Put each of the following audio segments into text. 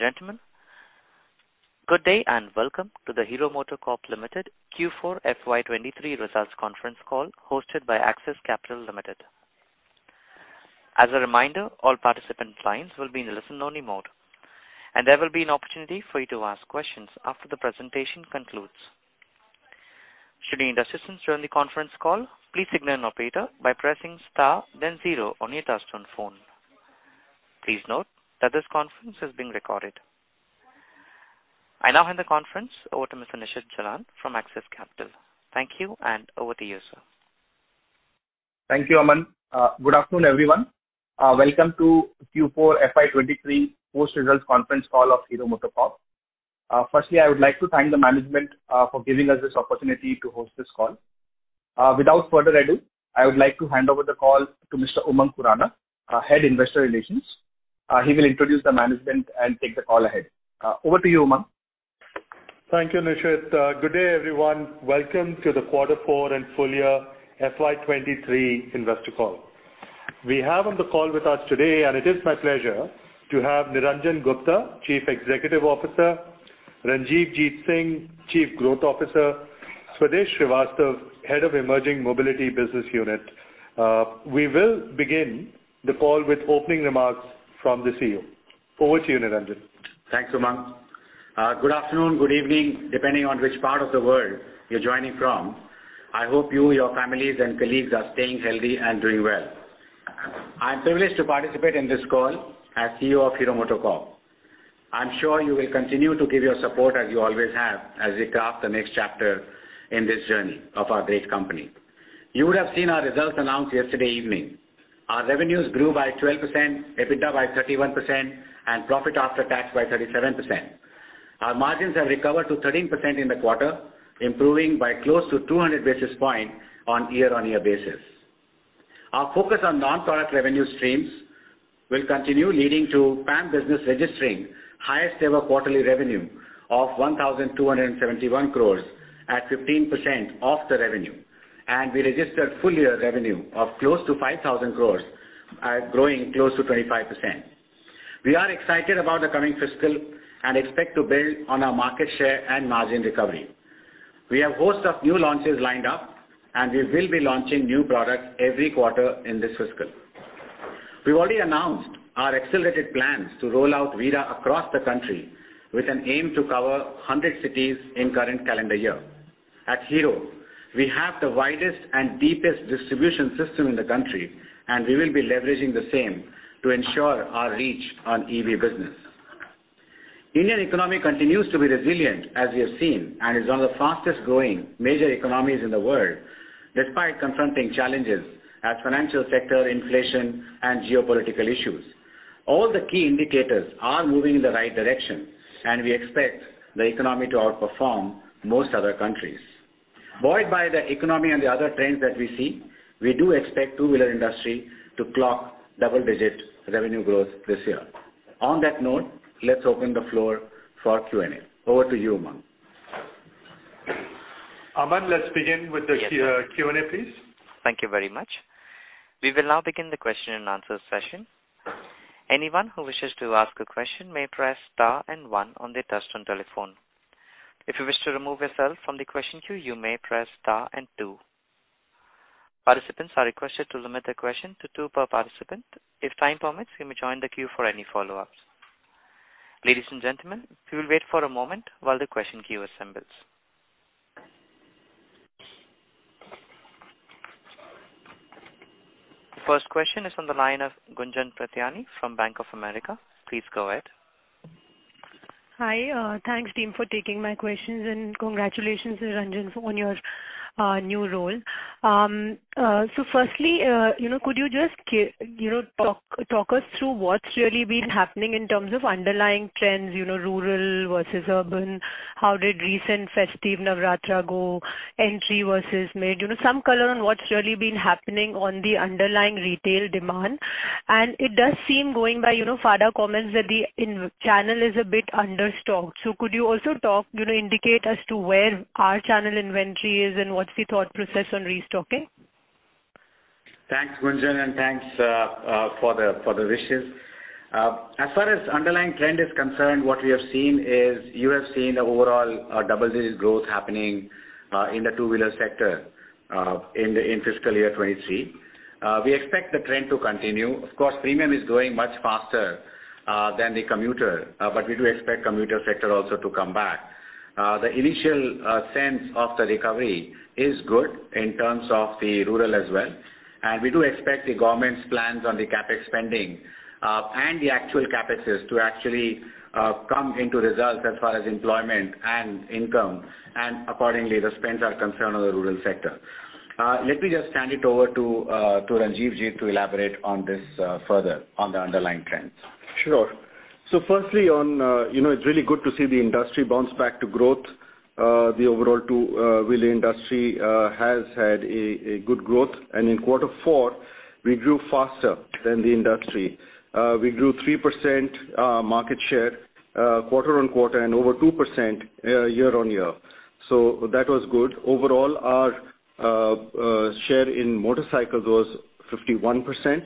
Ladies and gentlemen, good day, and welcome to the Hero MotoCorp Limited Q4 FY23 Results Conference Call hosted by Axis Capital Limited. As a reminder, all participant lines will be in listen-only mode, and there will be an opportunity for you to ask questions after the presentation concludes. Should you need assistance during the conference call, please signal an operator by pressing star then zero on your touchtone phone. Please note that this conference is being recorded. I now hand the conference over to Mr. Nishit Jalan from Axis Capital. Thank you, over to you, sir. Thank you, Aman. Good afternoon, everyone. Welcome to Q4 FY23 Post-Results Conference Call of Hero MotoCorp. Firstly, I would like to thank the management for giving us this opportunity to host this call. Without further ado, I would like to hand over the call to Mr. Umang Khurana, our Head Investor Relations. He will introduce the management and take the call ahead. Over to you, Umang. Thank you, Nishit. Good day, everyone. Welcome to the quarter four and full year FY 2023 investor call. We have on the call with us today, and it is my pleasure to have Niranjan Gupta, Chief Executive Officer; Ranjivjit Singh, Chief Growth Officer; Swadesh Srivastava, Head of Emerging Mobility Business Unit. We will begin the call with opening remarks from the CEO. Over to you, Niranjan. Thanks, Umang. good afternoon, good evening, depending on which part of the world you're joining from. I hope you, your families, and colleagues are staying healthy and doing well. I'm privileged to participate in this call as CEO of Hero MotoCorp. I'm sure you will continue to give your support as you always have as we craft the next chapter in this journey of our great company. You would have seen our results announced yesterday evening. Our revenues grew by 12%, EBITDA by 31%, and profit after tax by 37%. Our margins have recovered to 13% in the quarter, improving by close to 200 basis point on year-on-year basis. Our focus on non-product revenue streams will continue leading to PAM business registering highest ever quarterly revenue of 1,271 crores at 15% of the revenue. We registered full year revenue of close to 5,000 crores at growing close to 25%. We are excited about the coming fiscal and expect to build on our market share and margin recovery. We have host of new launches lined up. We will be launching new products every quarter in this fiscal. We've already announced our accelerated plans to roll out Vida across the country with an aim to cover 100 cities in current calendar year. At Hero, we have the widest and deepest distribution system in the country. We will be leveraging the same to ensure our reach on EV business. Indian economy continues to be resilient, as we have seen, and is one of the fastest-growing major economies in the world, despite confronting challenges as financial sector inflation and geopolitical issues. All the key indicators are moving in the right direction, and we expect the economy to outperform most other countries. Buoyed by the economy and the other trends that we see, we do expect two-wheeler industry to clock double-digit revenue growth this year. On that note, let's open the floor for Q&A. Over to you, Umang. Aman, let's begin with the Q&A, please. Thank you very much. We will now begin the question-and-answer session. Anyone who wishes to ask a question may press star and one on their touchtone telephone. If you wish to remove yourself from the question queue, you may press star and two. Participants are requested to limit their question to two per participant. If time permits, you may join the queue for any follow-ups. Ladies and gentlemen, if you will wait for a moment while the question queue assembles. The first question is on the line of Gunjan Prithyani from Bank of America. Please go ahead. Hi. Thanks team for taking my questions, and congratulations, Niranjan, for on your new role. Firstly, you know, could you just you know, talk us through what's really been happening in terms of underlying trends, you know, rural versus urban? How did recent festive Navaratri go? Entry versus mid. You know, some color on what's really been happening on the underlying retail demand. It does seem going by, you know, FADA comments that the channel is a bit under stocked. Could you also talk, you know, indicate as to where our channel inventory is and what's the thought process on restocking? Thanks, Gunjan, and thanks for the wishes. As far as underlying trend is concerned, what we have seen is you have seen the overall double-digit growth happening in the two-wheeler sector in fiscal year 2023. We expect the trend to continue. Of course, premium is growing much faster than the commuter, but we do expect commuter sector also to come back. The initial sense of the recovery is good in terms of the rural as well, and we do expect the government's plans on the CapEx spending and the actual CapExes to actually come into results as far as employment and income, and accordingly, the spends are concerned on the rural sector. Let me just hand it over to Ranjivjit Singh to elaborate on this further on the underlying trends. Sure. Firstly, on, you know, it's really good to see the industry bounce back to growth. The overall two wheeler industry has had a good growth. In quarter four we grew faster than the industry. We grew 3% market share quarter-on-quarter and over 2% year-on-year. That was good. Overall, our share in motorcycle was 51%,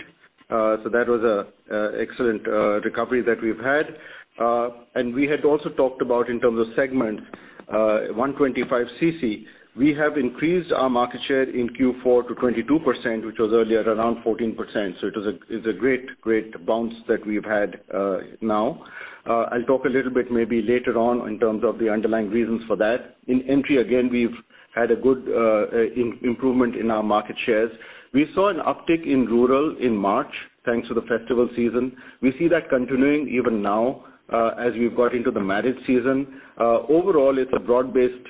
that was a excellent recovery that we've had. We had also talked about in terms of segment, 125 cc, we have increased our market share in Q4 to 22%, which was earlier around 14%. It is a great bounce that we've had now. I'll talk a little bit maybe later on in terms of the underlying reasons for that. In entry, again, we've had a good improvement in our market shares. We saw an uptick in rural in March, thanks to the festival season. We see that continuing even now, as we've got into the marriage season. Overall, it's a broad-based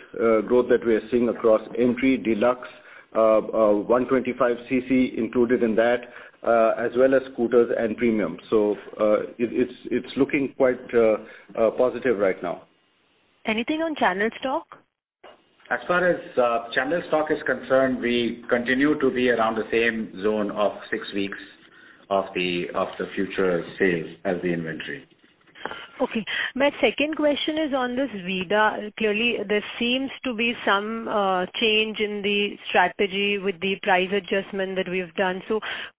growth that we're seeing across entry, deluxe, 125 cc included in that, as well as scooters and premium. It's looking quite positive right now. Anything on channel stock? As far as channel stock is concerned, we continue to be around the same zone of six weeks of the future sales as the inventory. My second question is on this Vida. Clearly, there seems to be some change in the strategy with the price adjustment that we have done.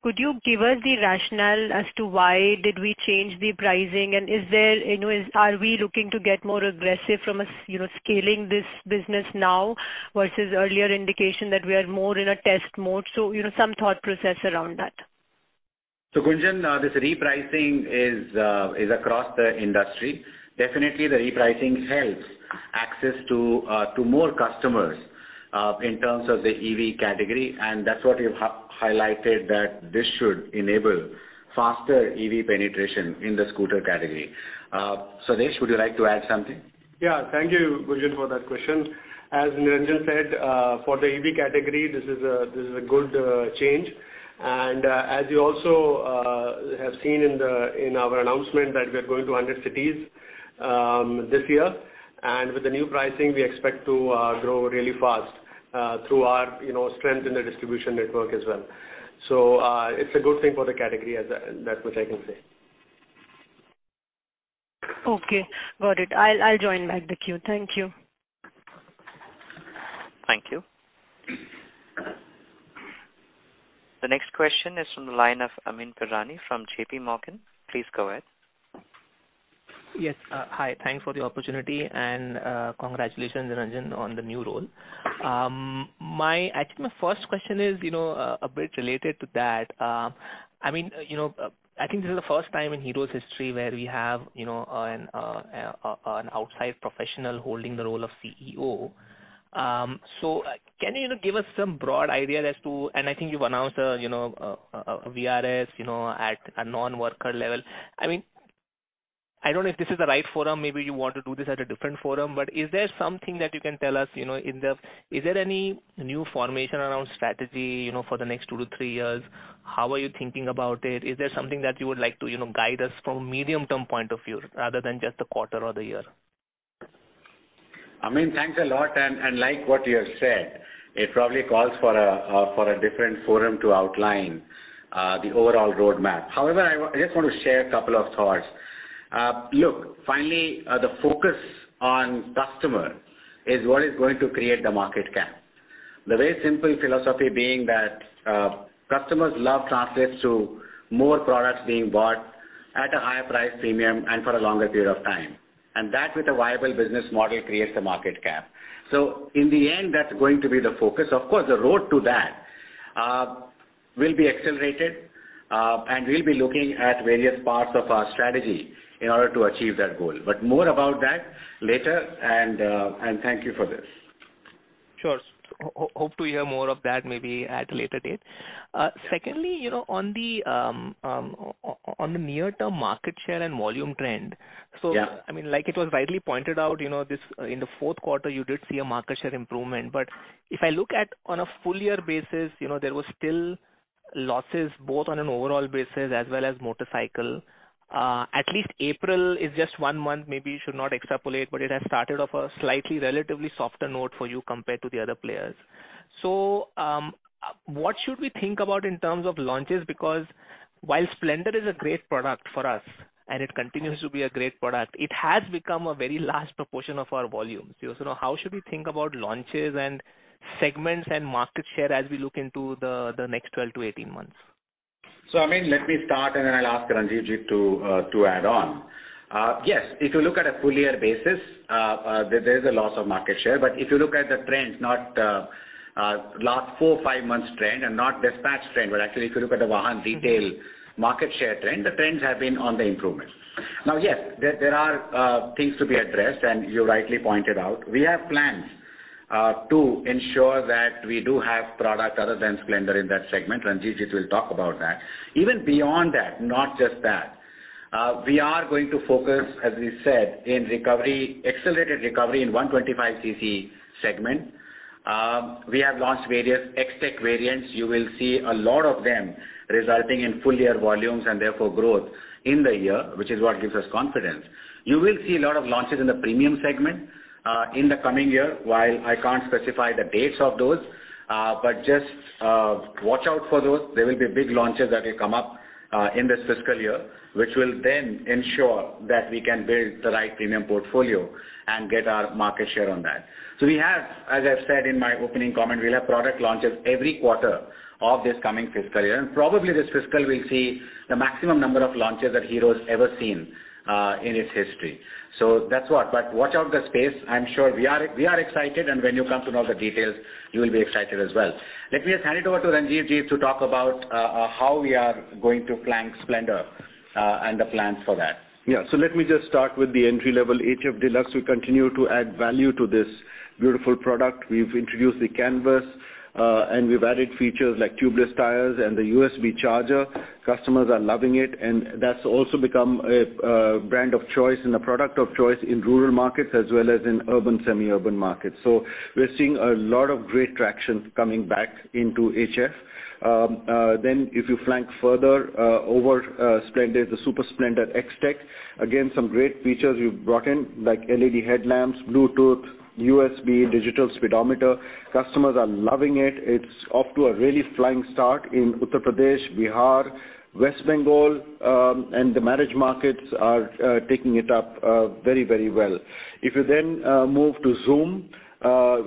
Could you give us the rationale as to why did we change the pricing? Is there, you know, Are we looking to get more aggressive from a you know, scaling this business now versus earlier indication that we are more in a test mode, so, you know, some thought process around that? Gunjan, this repricing is across the industry. Definitely, the repricing helps access to more customers in terms of the EV category, and that's what we've highlighted that this should enable faster EV penetration in the scooter category. Swadesh, would you like to add something? Yeah. Thank you, Gunjan, for that question. As Niranjan said, for the EV category, this is a good change. As you also have seen in our announcement that we're going to under cities this year, and with the new pricing, we expect to grow really fast through our, you know, strength in the distribution network as well. It's a good thing for the category as a that much I can say. Okay. Got it. I'll join back the queue. Thank you. Thank you. The next question is from the line of Amyn Pirani from JPMorgan. Please go ahead. Yes. Hi. Thanks for the opportunity, and congratulations, Niranjan, on the new role. I think my first question is, you know, a bit related to that. I mean, you know, I think this is the first time in Hero's history where we have, you know, an outside professional holding the role of CEO. Can you know, give us some broad idea as to I think you've announced, you know, a VRS, you know, at a non-worker level. I mean, I don't know if this is the right forum, maybe you want to do this at a different forum, but is there something that you can tell us, you know, in the is there any new formation around strategy, you know, for the next two to three years? How are you thinking about it? Is there something that you would like to, you know, guide us from medium-term point of view rather than just the quarter or the year? Amin, thanks a lot. Like what you have said, it probably calls for a for a different forum to outline the overall roadmap. However, I just want to share a couple of thoughts. Look, finally, the focus on customer is what is going to create the market cap. The very simple philosophy being that customers love translates to more products being bought at a higher price premium and for a longer period of time. That with a viable business model creates the market cap. In the end, that's going to be the focus. Of course, the road to that will be accelerated, and we'll be looking at various parts of our strategy in order to achieve that goal. More about that later, and thank you for this. Sure. Hope to hear more of that maybe at a later date. Secondly, you know, on the near-term market share and volume trend. Yeah. I mean, like it was widely pointed out, you know, this in the fourth quarter, you did see a market share improvement. If I look at on a full year basis, you know, there was still losses both on an overall basis as well as motorcycle. At least April is just one month, maybe you should not extrapolate, but it has started off a slightly relatively softer note for you compared to the other players. What should we think about in terms of launches? Because while Splendor is a great product for us, and it continues to be a great product, it has become a very large proportion of our volumes. You know, now how should we think about launches and segments and market share as we look into the 12 to 18 months? Amin, let me start and then I'll ask Ranjivjit to add on. Yes, if you look at a full year basis, there is a loss of market share. If you look at the trends, not four, five months trend and not dispatch trend, but actually if you look at the Vahan retail market share trend, the trends have been on the improvement. Yes, there are things to be addressed, and you rightly pointed out. We have plans to ensure that we do have product other than Splendor in that segment. Ranjivjit will talk about that. Even beyond that, not just that, we are going to focus, as we said, in recovery, accelerated recovery in 125 cc segment. We have launched various XTEC variants. You will see a lot of them resulting in full year volumes and therefore growth in the year, which is what gives us confidence. You will see a lot of launches in the premium segment in the coming year. While I can't specify the dates of those, but just watch out for those. There will be big launches that will come up in this fiscal year, which will then ensure that we can build the right premium portfolio and get our market share on that. We have, as I've said in my opening comment, we'll have product launches every quarter of this coming fiscal year. Probably this fiscal, we'll see the maximum number of launches that Hero's ever seen in its history. That's what. Watch out the space. I'm sure we are excited, and when you come to know the details, you will be excited as well. Let me just hand it over to Ranjivjit to talk about how we are going to flank Splendor and the plans for that. Let me just start with the entry level HF Deluxe. We continue to add value to this beautiful product. We've introduced the Canvas, and we've added features like tubeless tires and the USB charger. Customers are loving it, that's also become a brand of choice and a product of choice in rural markets as well as in urban, semi-urban markets. We're seeing a lot of great traction coming back into HF. If you flank further over Splendor, the Super Splendor XTEC. Again, some great features we've brought in, like LED headlamps, Bluetooth, USB, digital speedometer. Customers are loving it. It's off to a really flying start in Uttar Pradesh, Bihar, West Bengal, the marriage markets are taking it up very, very well. You then move to Xoom,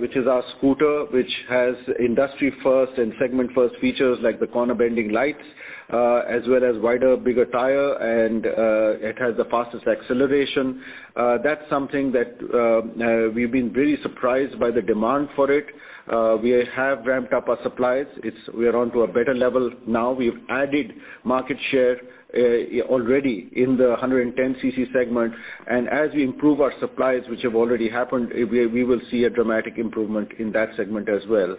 which is our scooter, which has industry first and segment first features like the corner bending lights, as well as wider, bigger tire, and it has the fastest acceleration. That's something that we've been really surprised by the demand for it. We have ramped up our supplies. We are on to a better level now. We've added market share already in the 110 cc segment, and as we improve our supplies, which have already happened, we will see a dramatic improvement in that segment as well.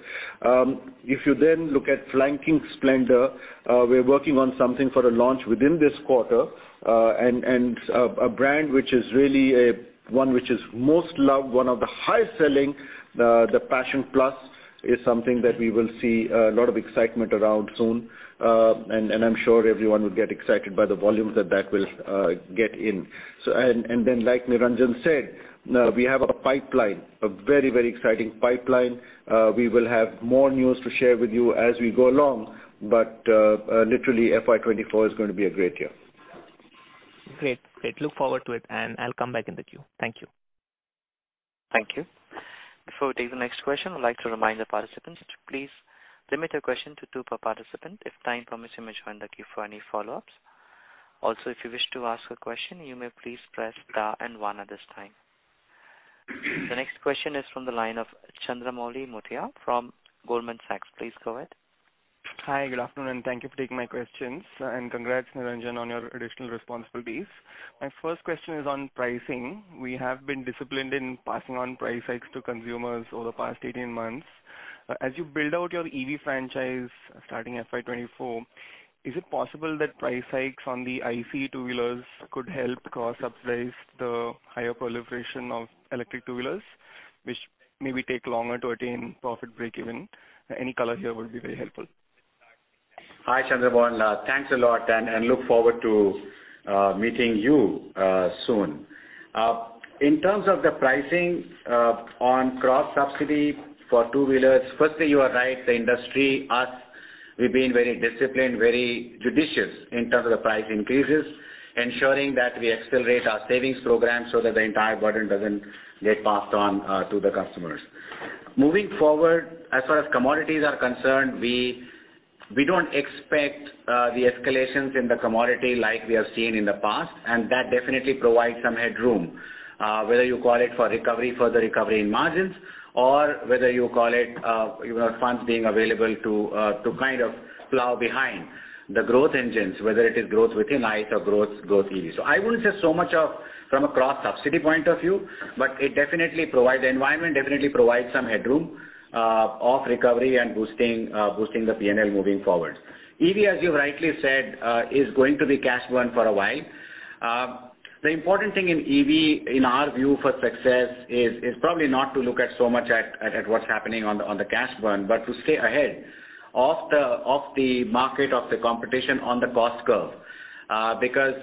If you then look at flanking Splendor, we're working on something for a launch within this quarter, a brand which is really one which is most loved, one of the highest selling, the Passion Plus is something that we will see a lot of excitement around soon. I'm sure everyone will get excited by the volumes that will get in. Like Niranjan said, we have a pipeline, a very exciting pipeline. We will have more news to share with you as we go along, but, literally FY 2024 is gonna be a great year. Great. Great. Look forward to it, and I'll come back in the queue. Thank you. Thank you. Before we take the next question, I'd like to remind the participants to please limit your question to two per participant. If time permits, you may join the queue for any follow-ups. If you wish to ask a question, you may please press star and one at this time. The next question is from the line of Chandramouli Muthiah from Goldman Sachs. Please go ahead. Hi, good afternoon, and thank you for taking my questions. Congrats, Niranjan, on your additional responsibilities. My first question is on pricing. We have been disciplined in passing on price hikes to consumers over the past 18 months. As you build out your EV franchise starting FY 2024, is it possible that price hikes on the ICE two-wheelers could help cross-subsidize the higher proliferation of electric two-wheelers, which maybe take longer to attain profit breakeven? Any color here would be very helpful. Hi, Chandramouli. Thanks a lot, and look forward to meeting you soon. In terms of the pricing on cross-subsidy for two-wheelers, firstly, you are right. The industry, us, we've been very disciplined, very judicious in terms of the price increases, ensuring that we accelerate our savings program so that the entire burden doesn't get passed on to the customers. Moving forward, as far as commodities are concerned, we don't expect the escalations in the commodity like we have seen in the past, that definitely provides some headroom, whether you call it for recovery, further recovery in margins, or whether you call it, you know, funds being available to kind of plow behind the growth engines, whether it is growth within ICE or growth EV. I wouldn't say so much of from a cross-subsidy point of view, but the environment definitely provides some headroom of recovery and boosting the P&L moving forward. EV, as you rightly said, is going to be cash burn for a while. The important thing in EV, in our view for success is probably not to look at so much at what's happening on the cash burn, but to stay ahead of the market, of the competition on the cost curve. Because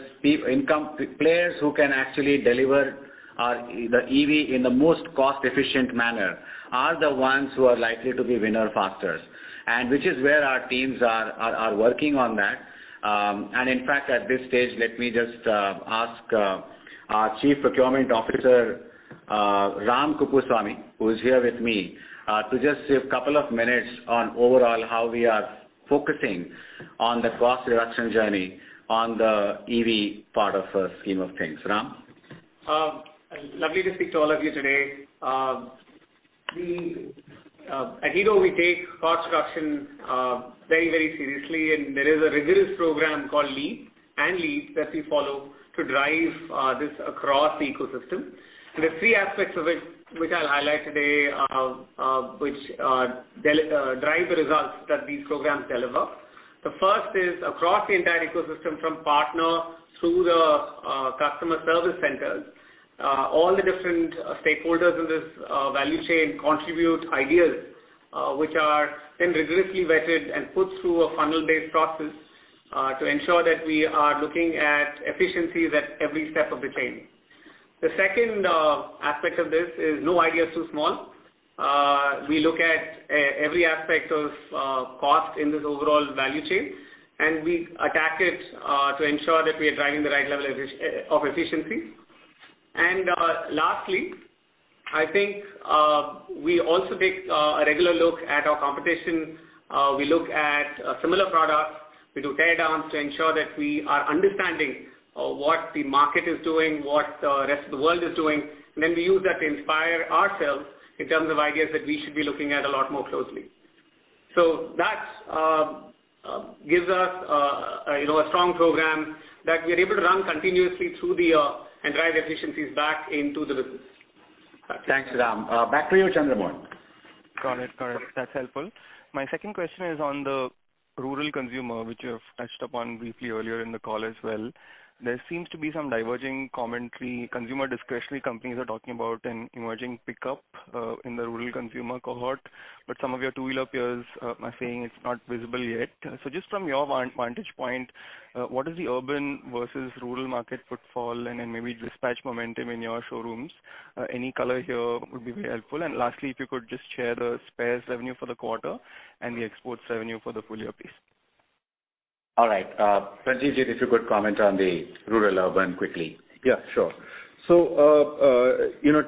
players who can actually deliver the EV in the most cost-efficient manner are the ones who are likely to be winner fasters. Which is where our teams are working on that. In fact, at this stage, let me just ask our Chief Procurement Officer, Ram Kuppuswamy, who is here with me, to just say a couple of minutes on overall how we are focusing on the cost reduction journey on the EV part of our scheme of things. Ram? Lovely to speak to all of you today. We, at Hero, we take cost reduction very, very seriously. There is a rigorous program called Leap that we follow to drive this across the ecosystem. There are three aspects of it which I'll highlight today which drive the results that these programs deliver. The first is across the entire ecosystem, from partner through the customer service centers, all the different stakeholders in this value chain contribute ideas which are then rigorously vetted and put through a funnel-based process to ensure that we are looking at efficiencies at every step of the chain. The second aspect of this is no idea is too small. We look at every aspect of cost in this overall value chain, and we attack it to ensure that we are driving the right level of efficiency. Lastly, I think we also take a regular look at our competition. We look at similar products. We do tear downs to ensure that we are understanding what the market is doing, what the rest of the world is doing, we use that to inspire ourselves in terms of ideas that we should be looking at a lot more closely. That's, you know, a strong program that we're able to run continuously through the and drive efficiencies back into the business. Thanks, Ram. back to you, Chandramohan. Got it. Got it. That's helpful. My second question is on the rural consumer, which you have touched upon briefly earlier in the call as well. There seems to be some diverging commentary. Consumer discretionary companies are talking about an emerging pickup, in the rural consumer cohort, but some of your two-wheeler peers, are saying it's not visible yet. Just from your vantage point, what is the urban versus rural market footfall and then maybe dispatch momentum in your showrooms? Any color here would be very helpful. Lastly, if you could just share the spares revenue for the quarter and the export revenue for the full year please. All right. Ranjivjit, if you could comment on the rural urban quickly. Yeah, sure. you know,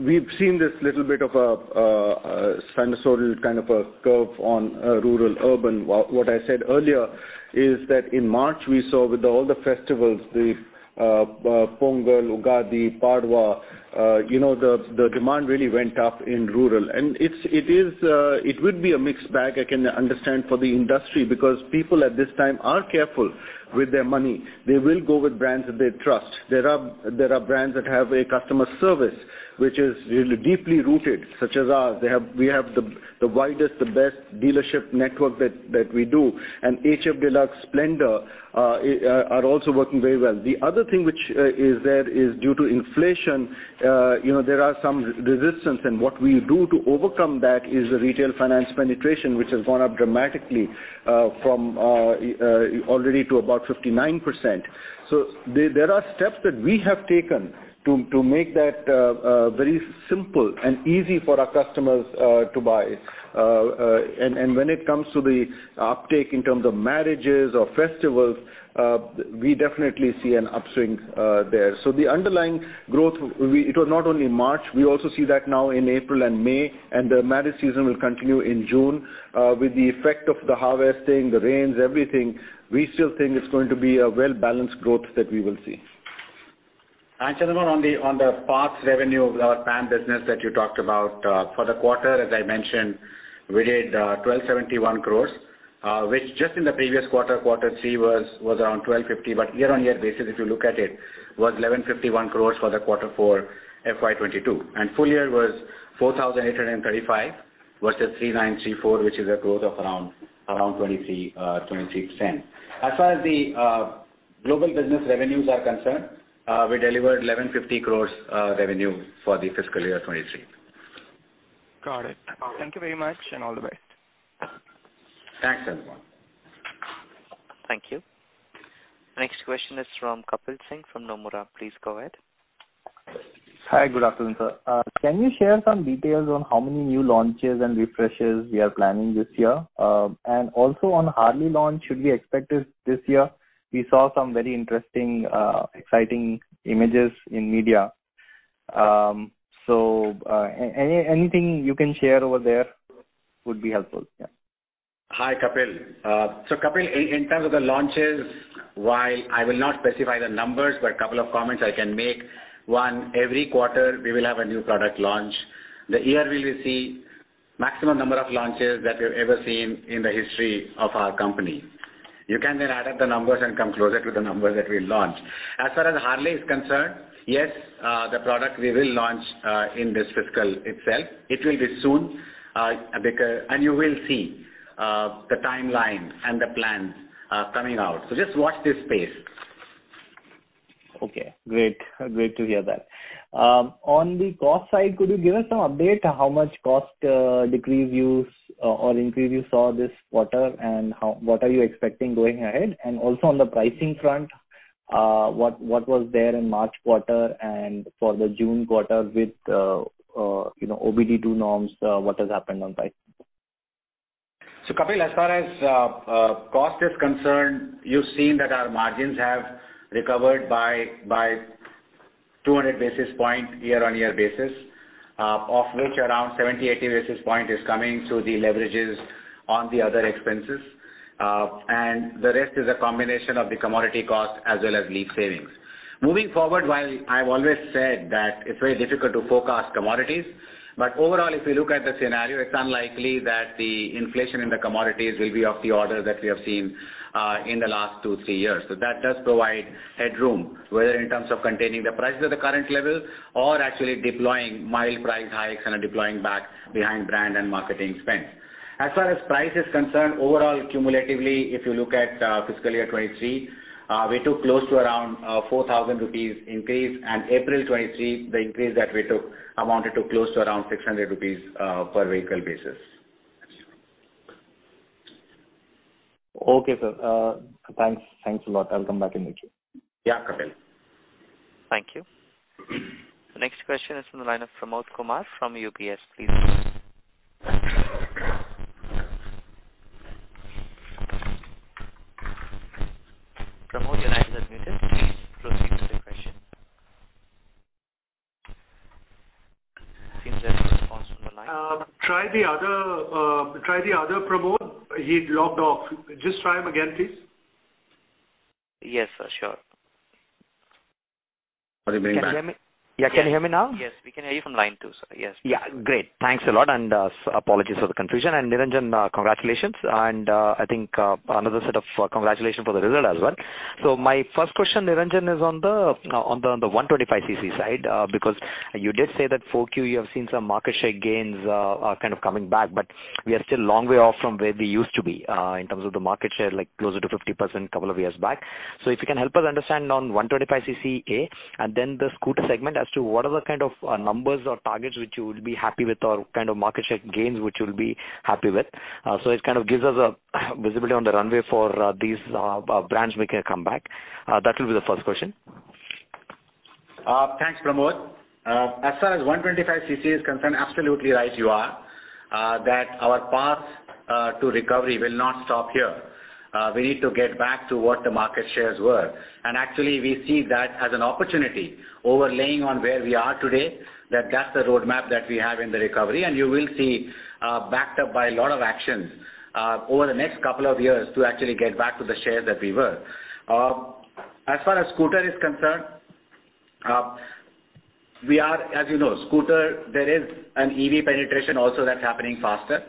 we've seen this little bit of a sinusoidal kind of a curve on rural urban. What I said earlier is that in March we saw with all the festivals, the Pongal, Ugadi, Padwa, you know, the demand really went up in rural. It is, it would be a mixed bag, I can understand for the industry, because people at this time are careful with their money. They will go with brands that they trust. There are brands that have a customer service which is really deeply rooted, such as ours. we have the widest, the best dealership network that we do. HF Deluxe, Splendor are also working very well. The other thing which is there is due to inflation, you know, there are some resistance. What we do to overcome that is the retail finance penetration, which has gone up dramatically, from already to about 59%. There, there are steps that we have taken to make that very simple and easy for our customers to buy. When it comes to the uptake in terms of marriages or festivals, we definitely see an upswing there. The underlying growth, it was not only in March. We also see that now in April and May, and the marriage season will continue in June. With the effect of the harvesting, the rains, everything, we still think it's going to be a well-balanced growth that we will see. Chandramouli, on the parts revenue of our Pan-India business that you talked about, for the quarter, as I mentioned, we did 1,271 crores, which just in the previous quarter, Q3, was around 1,250. But year-on-year basis, if you look at it, was 1,151 crores for Q4 FY 2022. And full year was 4,835 versus 3,934, which is a growth of around 23%. As far as the global business revenues are concerned, we delivered 1,150 crores revenue for the fiscal year 2023. Got it. Thank you very much, and all the best. Thanks, Chandramohan. Thank you. Next question is from Kapil Singh from Nomura. Please go ahead. Hi. Good afternoon, sir. Can you share some details on how many new launches and refreshes we are planning this year? Also on Harley-Davidson launch, should we expect it this year? We saw some very interesting, exciting images in media. Anything you can share over there would be helpful. Hi, Kapil. Kapil, in terms of the launches, while I will not specify the numbers, but a couple of comments I can make. One, every quarter we will have a new product launch. The year we will see maximum number of launches that we've ever seen in the history of our company. You can add up the numbers and come closer to the numbers that we'll launch. As far as Harley-Davidson is concerned, yes, the product we will launch in this fiscal itself. It will be soon. And you will see the timeline and the plans coming out. Just watch this space. Okay, great. Great to hear that. On the cost side, could you give us some update how much cost, decrease you or increase you saw this quarter, and what are you expecting going ahead? Also on the pricing front, what was there in March quarter and for the June quarter with, you know, OBD-II norms, what has happened on pricing? Kapil, as far as cost is concerned, you've seen that our margins have recovered by 200 basis points year-on-year basis, of which around 70, 80 basis point is coming through the leverages on the other expenses. The rest is a combination of the commodity costs as well as Leap savings. Moving forward, while I've always said that it's very difficult to forecast commodities, overall, if you look at the scenario, it's unlikely that the inflation in the commodities will be of the order that we have seen in the last two, three years. That does provide headroom, whether in terms of containing the price at the current level or actually deploying mild price hikes and deploying back behind brand and marketing spends. As far as price is concerned, overall, cumulatively, if you look at fiscal year 2023, we took close to around 4,000 rupees increase. April 2023, the increase that we took amounted to close to around 600 rupees per vehicle basis. Okay, sir. Thanks. Thanks a lot. I'll come back and meet you. Yeah, Kapil. Thank you. The next question is from the line of Pramod Kumar from UBS. Please go ahead. Pramod, your line is unmuted. Please proceed with your question. It seems there is no response from the line. Try the other Pramod. He logged off. Just try him again, please. Yes, sir. Sure. Are you being back? Can you hear me? Yeah. Can you hear me now? Yes. We can hear you from line two, sir. Yes. Yeah. Great. Thanks a lot. Apologies for the confusion. Niranjan, congratulations. I think another set of congratulation for the result as well. My first question, Niranjan, is on the 125 cc side. Because you did say that 4Q, you have seen some market share gains kind of coming back, but we are still a long way off from where we used to be in terms of the market share, like closer to 50% couple of years back. If you can help us understand on 125 cc, A, and then the scooter segment as to what are the kind of numbers or targets which you would be happy with or kind of market share gains which you'll be happy with. It kind of gives us a visibility on the runway for these brands making a comeback. That will be the first question. Thanks, Pramod. As far as 125 cc is concerned, absolutely right you are, that our path to recovery will not stop here. We need to get back to what the market shares were. Actually, we see that as an opportunity overlaying on where we are today, that that's the roadmap that we have in the recovery. You will see, backed up by a lot of actions over the next couple of years to actually get back to the shares that we were. As far as scooter is concerned, we are. As you know, scooter, there is an EV penetration also that's happening faster.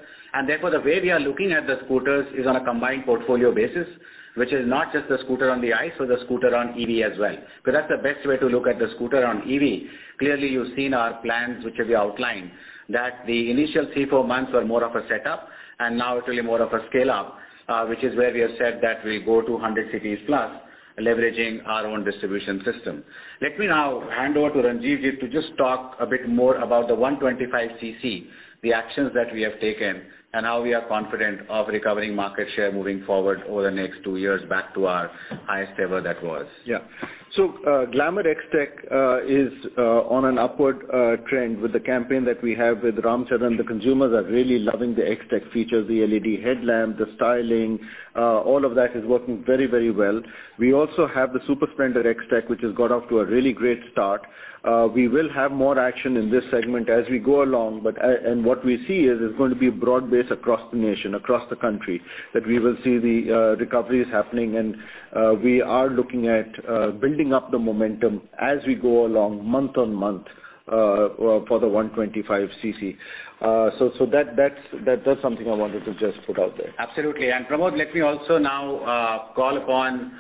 Therefore, the way we are looking at the scooters is on a combined portfolio basis, which is not just the scooter on the ICE or the scooter on EV as well. That's the best way to look at the scooter on EV. Clearly, you've seen our plans, which we outlined, that the initial three, four months were more of a setup, and now it's really more of a scale-up, which is where we have said that we go to 100 cities plus, leveraging our own distribution system. Let me now hand over to Ranjiv just to talk a bit more about the 125 cc, the actions that we have taken and how we are confident of recovering market share moving forward over the next two years back to our highest ever that was. Yeah. Glamour XTEC is on an upward trend with the campaign that we have with Ram Charan. The consumers are really loving the XTEC features, the LED headlamp, the styling, all of that is working very, very well. We also have the Super Splendor XTEC, which has got off to a really great start. We will have more action in this segment as we go along, but, and what we see is it's going to be broad-based across the nation, across the country, that we will see the recovery is happening and we are looking at building up the momentum as we go along month on month for the 125 cc. That's something I wanted to just put out there. Absolutely. Pramod, let me also now call upon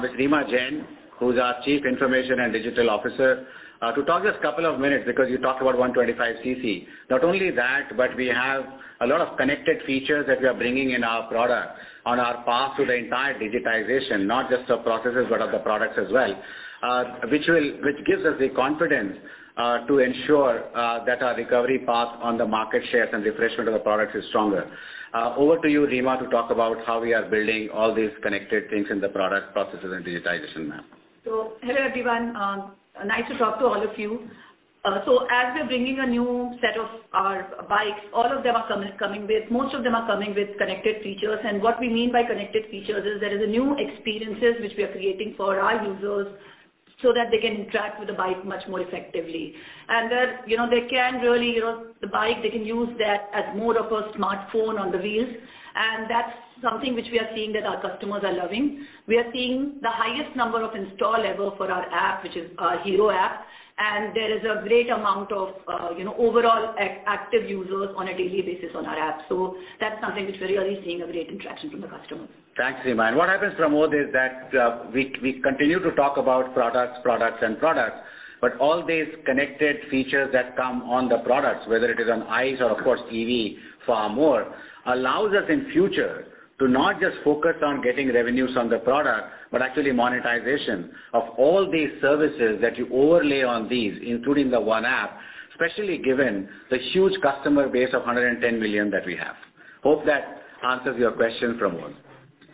Ms. Reema Jain, who's our Chief Information and Digital Officer to talk just a couple of minutes because you talked about 125 cc. Not only that, we have a lot of connected features that we are bringing in our product on our path to the entire digitization, not just of processes, but of the products as well, which gives us the confidence to ensure that our recovery path on the market shares and refreshment of the products is stronger. Over to you, Reema, to talk about how we are building all these connected things in the product processes and digitization map. Hello, everyone. nice to talk to all of you. As we're bringing a new set of our bikes, most of them are coming with connected features. What we mean by connected features is there is a new experiences which we are creating for our users so that they can interact with the bike much more effectively. That, you know, they can really, you know, the bike, they can use that as more of a smartphone on the wheels. That's something which we are seeing that our customers are loving. We are seeing the highest number of install ever for our app, which is our Hero App. There is a great amount of, you know, overall active users on a daily basis on our app. That's something which we're really seeing a great interaction from the customers. Thanks, Reema. What happens, Pramod, is that we continue to talk about products and products, but all these connected features that come on the products, whether it is on ICE or of course EV far more, allows us in future to not just focus on getting revenues on the product, but actually monetization of all these services that you overlay on these, including the one app, especially given the huge customer base of 110 million that we have. Hope that answers your question, Pramod.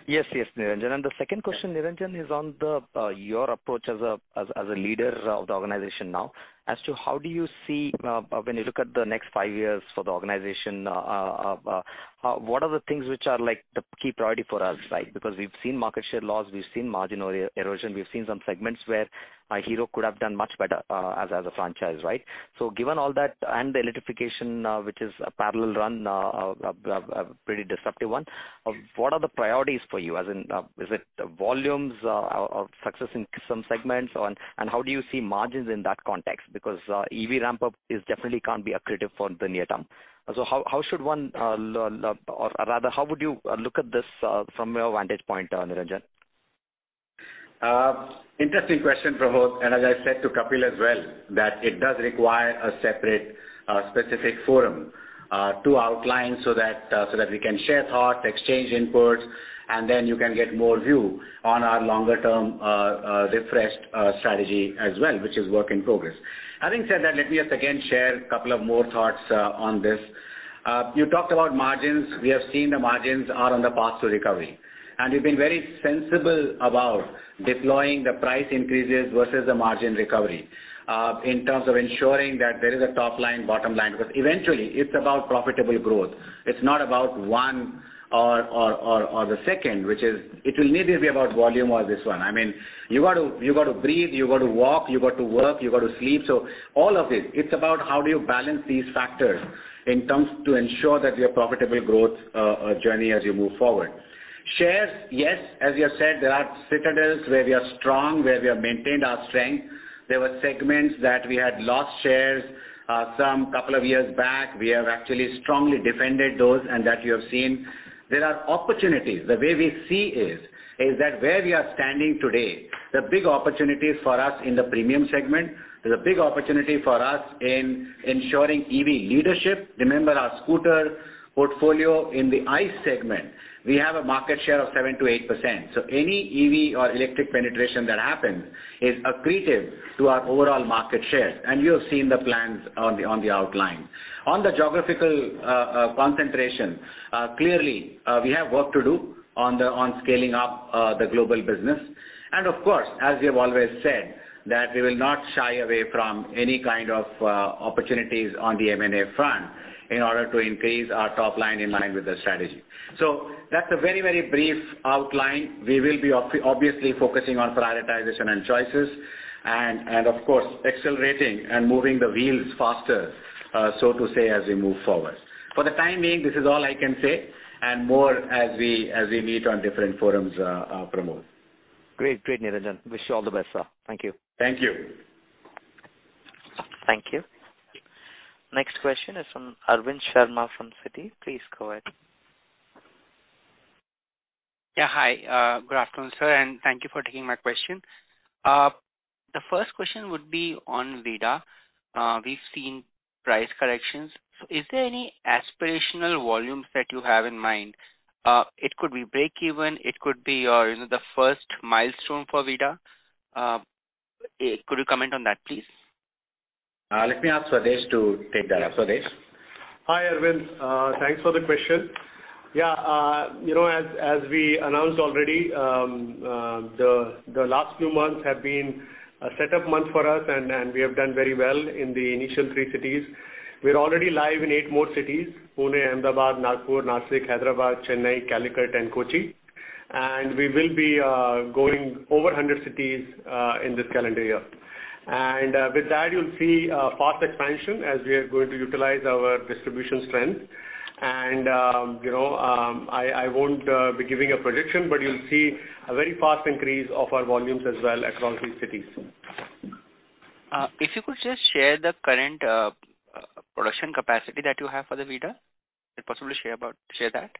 Yes, Niranjan. The second question, Niranjan, is on the your approach as a leader of the organization now. As to how do you see when you look at the next five years for the organization, what are the things which are like the key priority for us, right? We've seen market share loss, we've seen margin erosion, we've seen some segments where Hero could have done much better as a franchise, right? Given all that and the electrification, which is a parallel run, a pretty disruptive one, what are the priorities for you? As in, is it volumes or success in some segments? How do you see margins in that context? EV ramp-up is definitely can't be accretive for the near term. How should one, or rather, how would you look at this, from your vantage point, Niranjan? Interesting question, Pramod. As I said to Kapil as well, that it does require a separate, specific forum to outline so that we can share thoughts, exchange inputs, and then you can get more view on our longer term, refreshed strategy as well, which is work in progress. Having said that, let me just again share a couple of more thoughts on this. You talked about margins. We have seen the margins are on the path to recovery, and we've been very sensible about deploying the price increases versus the margin recovery in terms of ensuring that there is a top line, bottom line. Eventually it's about profitable growth. It's not about one or the second, which is it will need to be about volume or this one. I mean, you got to, you got to breathe, you got to walk, you got to work, you got to sleep. All of it's about how do you balance these factors in terms to ensure that your profitable growth journey as you move forward. Shares, yes, as you have said, there are citadels where we are strong, where we have maintained our strength. There were segments that we had lost shares, some couple of years back. We have actually strongly defended those and that you have seen. There are opportunities. The way we see is that where we are standing today, there are big opportunities for us in the premium segment. There's a big opportunity for us in ensuring EV leadership. Remember our scooter portfolio in the ICE segment, we have a market share of 7%-8%. Any EV or electric penetration that happens is accretive to our overall market shares. You have seen the plans on the outline. On the geographical concentration, clearly, we have work to do on scaling up the global business. Of course, as we have always said, that we will not shy away from any kind of opportunities on the M&A front in order to increase our top line in line with the strategy. That's a very, very brief outline. We will be obviously focusing on prioritization and choices and of course, accelerating and moving the wheels faster, so to say, as we move forward. For the time being, this is all I can say, and more as we meet on different forums, Pramod. Great. Great, Niranjan. Wish you all the best, sir. Thank you. Thank you. Thank you. Next question is from Arvind Sharma from Citi. Please go ahead. Yeah, hi, good afternoon, sir, and thank you for taking my question. The first question would be on Vida. We've seen price corrections. Is there any aspirational volumes that you have in mind? It could be break even. It could be your, you know, the first milestone for Vida. Could you comment on that, please? let me ask Swadesh to take that up. Swadesh. Hi, Arvind. Thanks for the question. Yeah, you know, as we announced already, the last few months have been a set up month for us, and we have done very well in the initial three cities. We're already live in eight more cities, Pune, Ahmedabad, Nagpur, Nashik, Hyderabad, Chennai, Calicut and Kochi. We will be going over 100 cities in this calendar year. With that, you'll see fast expansion as we are going to utilize our distribution strength. You know, I won't be giving a prediction, but you'll see a very fast increase of our volumes as well across these cities. If you could just share the current production capacity that you have for the Vida. If possible to share that.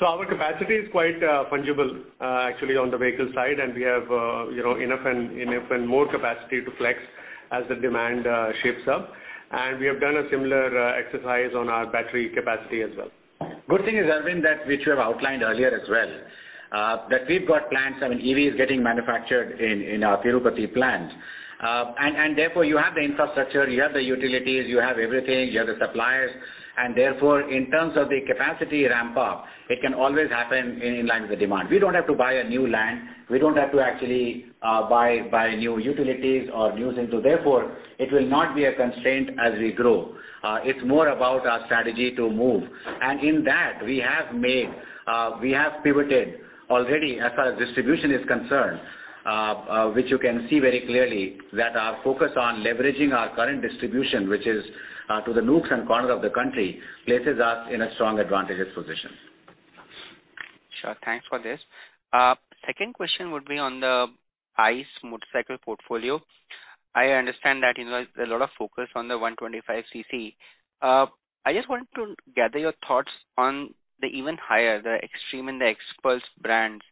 Our capacity is quite fungible actually on the vehicle side. We have, you know, enough and more capacity to flex as the demand shapes up. We have done a similar exercise on our battery capacity as well. Good thing is, Arvind, that which you have outlined earlier as well, that we've got plants. I mean, EV is getting manufactured in our Tirupati plant. Therefore you have the infrastructure, you have the utilities, you have everything, you have the suppliers. In terms of the capacity ramp up, it can always happen in line with the demand. We don't have to buy a new land. We don't have to actually buy new utilities or new therefore, it will not be a constraint as we grow. It's more about our strategy to move. In that, we have made, we have pivoted already as far as distribution is concerned, which you can see very clearly that our focus on leveraging our current distribution, which is to the nooks and corners of the country, places us in a strong, advantageous position. Sure. Thanks for this. Second question would be on the ICE motorcycle portfolio. I understand that, you know, a lot of focus on the 125 cc. I just want to gather your thoughts on the even higher, the Xtreme and the Xpulse brands.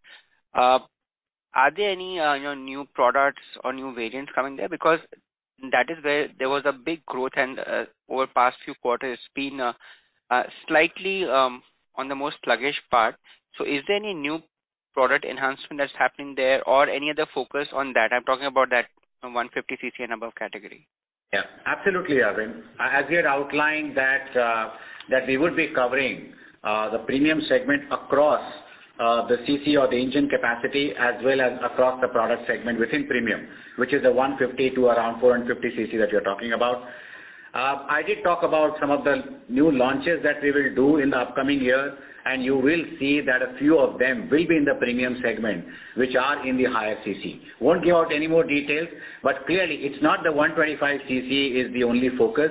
Are there any, you know, new products or new variants coming there? Because that is where there was a big growth and over the past few quarters it's been slightly on the more sluggish part. Is there any new product enhancement that's happening there or any other focus on that? I'm talking about that 150 cc and above category. Yeah, absolutely, Arvind. As we had outlined that we would be covering the premium segment across the cc or the engine capacity as well as across the product segment within premium, which is the 150 cc-450 cc that you're talking about. I did talk about some of the new launches that we will do in the upcoming year, and you will see that a few of them will be in the premium segment, which are in the higher cc. Won't give out any more details, but clearly it's not the 125 cc is the only focus.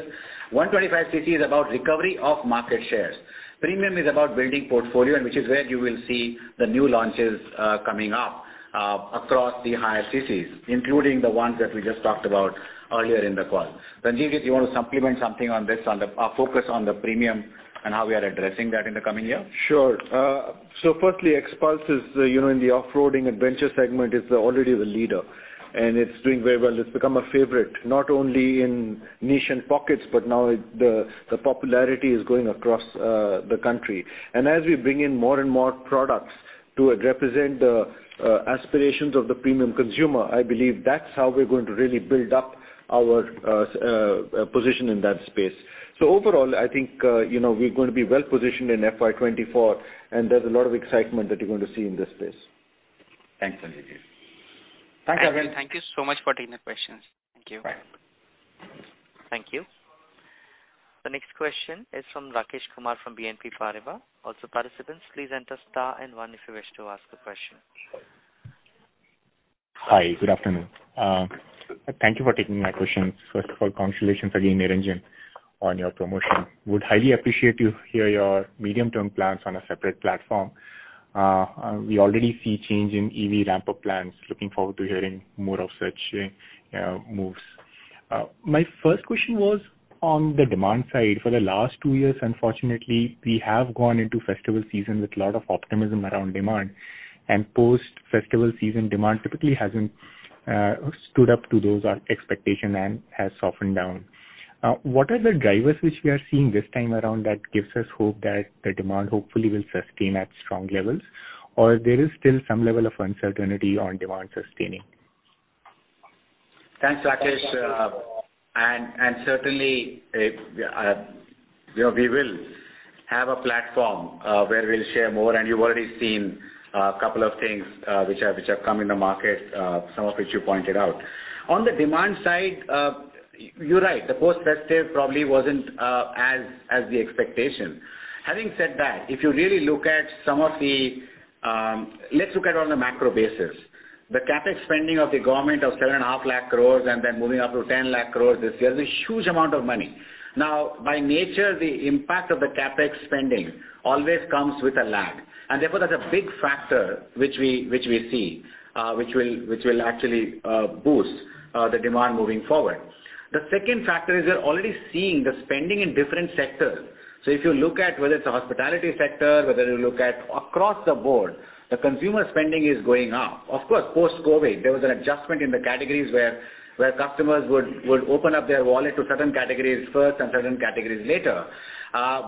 125 cc is about recovery of market shares. Premium is about building portfolio and which is where you will see the new launches, coming up, across the higher ccs, including the ones that we just talked about earlier in the call. Ranjiv, if you want to supplement something on this, on the, our focus on the premium and how we are addressing that in the coming year. Sure. Firstly, Xpulse is, you know, in the off-roading adventure segment, is already the leader, and it's doing very well. It's become a favorite, not only in niche and pockets, but now the popularity is growing across the country. As we bring in more and more products To represent the aspirations of the premium consumer. I believe that's how we're going to really build up our position in that space. Overall, I think, you know, we're gonna be well-positioned in FY 2024. There's a lot of excitement that you're going to see in this space. Thanks, Ranjivjit. Thanks, Aman. Thank you so much for taking the questions. Thank you. Bye. Thank you. The next question is from Rakesh Kumar from BNP Paribas. Participants, please enter star and 1 if you wish to ask a question. Hi, good afternoon. Thank you for taking my questions. First of all, congratulations again, Niranjan, on your promotion. Would highly appreciate to hear your medium-term plans on a separate platform. We already see change in EV ramp-up plans. Looking forward to hearing more of such moves. My first question was on the demand side. For the last two years, unfortunately, we have gone into festival season with a lot of optimism around demand, and post-festival season demand typically hasn't stood up to those expectation and has softened down. What are the drivers which we are seeing this time around that gives us hope that the demand hopefully will sustain at strong levels? Or there is still some level of uncertainty on demand sustaining? Thanks, Rakesh. And certainly, you know, we will have a platform where we'll share more. You've already seen a couple of things which have come in the market, some of which you pointed out. On the demand side, you're right. The post-festive probably wasn't as the expectation. Having said that, if you really look at some of the. Let's look at on a macro basis. The CapEx spending of the government of 7.5 lakh crores and then moving up to 10 lakh crores this year is a huge amount of money. Now, by nature, the impact of the CapEx spending always comes with a lag. Therefore, that's a big factor which we see which will actually boost the demand moving forward. The second factor is we're already seeing the spending in different sectors. If you look at whether it's the hospitality sector, whether you look at across the board, the consumer spending is going up. Of course, post-COVID, there was an adjustment in the categories where customers would open up their wallet to certain categories first and certain categories later.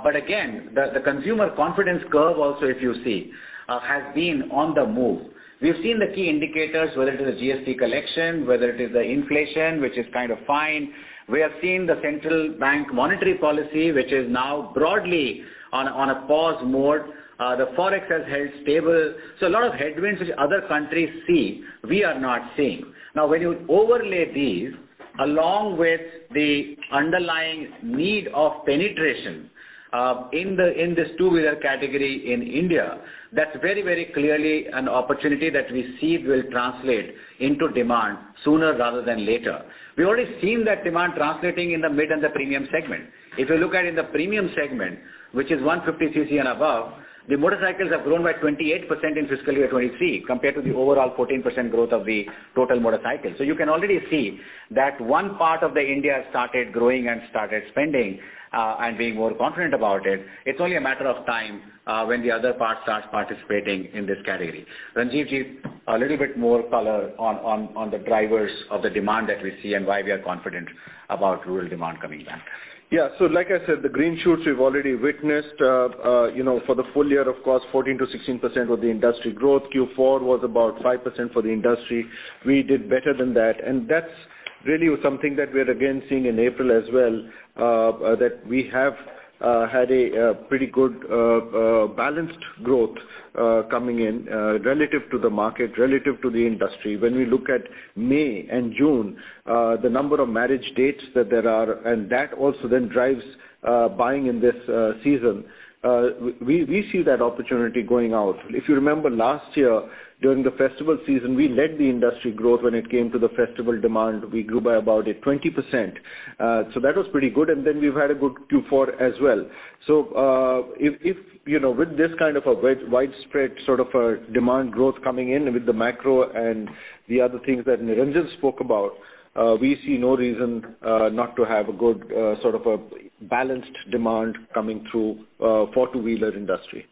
Again, the consumer confidence curve also, if you see, has been on the move. We've seen the key indicators, whether it is the GST collection, whether it is the inflation, which is kind of fine. We have seen the central bank monetary policy, which is now broadly on a pause mode. The Forex has held stable. A lot of headwinds which other countries see, we are not seeing. When you overlay these along with the underlying need of penetration in the, in this two-wheeler category in India, that's very, very clearly an opportunity that we see will translate into demand sooner rather than later. We've already seen that demand translating in the mid and the premium segment. If you look at in the premium segment, which is 150 cc and above, the motorcycles have grown by 28% in fiscal year 2023, compared to the overall 14% growth of the total motorcycles. You can already see that one part of the India started growing and started spending and being more confident about it. It's only a matter of time when the other part starts participating in this category. Ranjivjit, a little bit more color on the drivers of the demand that we see and why we are confident about rural demand coming back. Like I said, the green shoots we've already witnessed, you know, for the full year, of course, 14%-16% was the industry growth. Q4 was about 5% for the industry. We did better than that. That's really something that we are again seeing in April as well, that we have had a pretty good balanced growth coming in relative to the market, relative to the industry. When we look at May and June, the number of marriage dates that there are, and that also then drives buying in this season, we see that opportunity going out. If you remember last year during the festival season, we led the industry growth when it came to the festival demand. We grew by about a 20%. That was pretty good. We've had a good Q4 as well. If, you know, with this kind of a widespread sort of a demand growth coming in with the macro and the other things that Niranjan spoke about, we see no reason not to have a good sort of a balanced demand coming through for two-wheeler industry.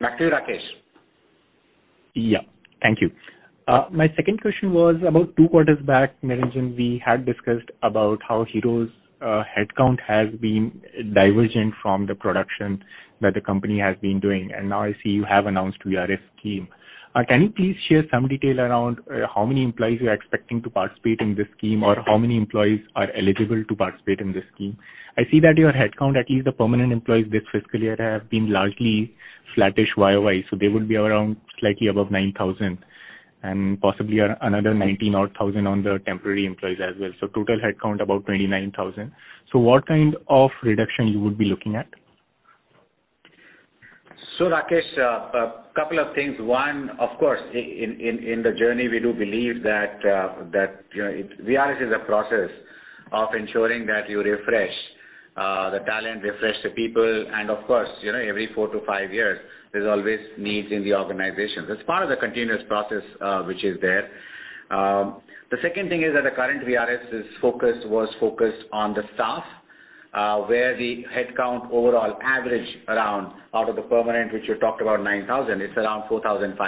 Back to you, Rakesh. Yeah. Thank you. My second question was about two quarters back, Niranjan, we had discussed about how Hero's headcount has been divergent from the production that the company has been doing. Now I see you have announced VRS scheme. Can you please share some detail around how many employees you are expecting to participate in this scheme, or how many employees are eligible to participate in this scheme? I see that your headcount, at least the permanent employees this fiscal year, have been largely flattish YOY, so they would be around slightly above 9,000 and possibly another 19,000 odd on the temporary employees as well. Total headcount about 29,000. What kind of reduction you would be looking at? Rakesh, a couple of things. One, of course, in the journey, we do believe that, you know, VRS is a process of ensuring that you refresh the talent, refresh the people, and of course, you know, every four to five years there's always needs in the organization. That's part of the continuous process, which is there. The second thing is that the current VRS's focus was focused on the staff, where the headcount overall average around out of the permanent, which you talked about 9,000, it's around 4,500,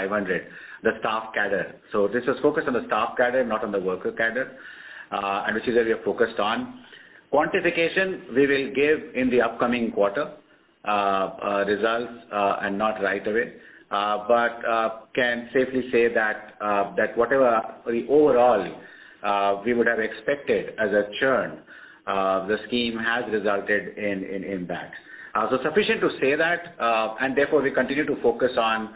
the staff cadre. This was focused on the staff cadre, not on the worker cadre. And which is where we are focused on. Quantification, we will give in the upcoming quarter results, and not right away. Can safely say that whatever the overall we would have expected as a churn, the scheme has resulted in impacts. Sufficient to say that and therefore we continue to focus on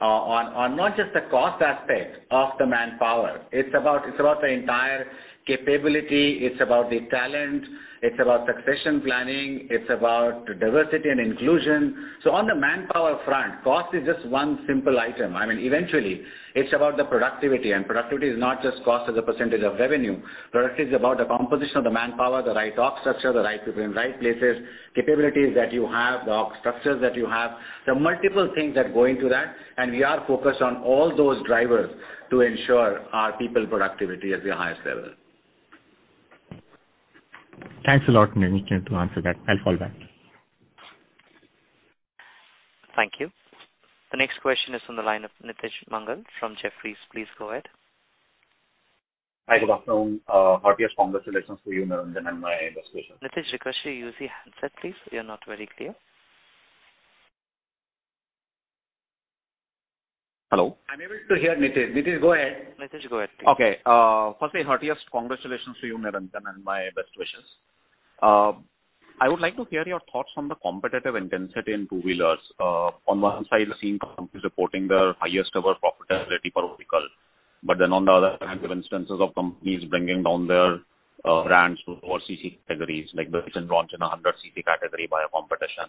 not just the cost aspect of the manpower. It's about the entire capability. It's about the talent, it's about succession planning, it's about diversity and inclusion. On the manpower front, cost is just one simple item. I mean, eventually, it's about the productivity, and productivity is not just cost as a % of revenue. Productivity is about the composition of the manpower, the right org structure, the right people in right places, capabilities that you have, the org structures that you have. There are multiple things that go into that, and we are focused on all those drivers to ensure our people productivity is at the highest level. Thanks a lot, Niranjan, to answer that. I'll fall back. Thank you. The next question is on the line of Nitij Mangal from Jefferies. Please go ahead. Hi, good afternoon. Heartiest congratulations to you, Niranjan, and my best wishes. Nitij, request you use the handset, please. You're not very clear. Hello? I'm able to hear Nitij. Nitij, go ahead. Nitij, go ahead, please. Okay. firstly, heartiest congratulations to you, Niranjan, and my best wishes. I would like to hear your thoughts on the competitive intensity in two-wheelers. On one side we're seeing companies reporting their highest ever profitability per vehicle. On the other hand, we have instances of companies bringing down their brands to lower cc categories, like the recent launch in a 100 cc category by a competition.